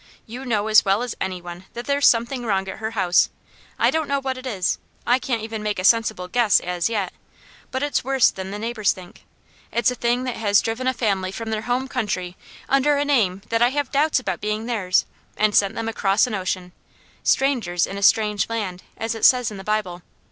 You know as well as any one that there's something wrong at her house. I don't know what it is; I can't even make a sensible guess as yet, but it's worse than the neighbours think. It's a thing that has driven a family from their home country, under a name that I have doubts about being theirs, and sent them across an ocean, 'strangers in a strange land,' as it says in the Bible.